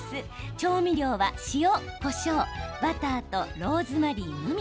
調味料は塩、こしょう、バターとローズマリーのみ。